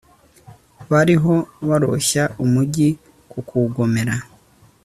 bariho baroshya umugi kukugomera